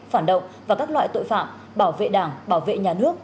phản động và các loại tội phạm bảo vệ đảng bảo vệ nhà nước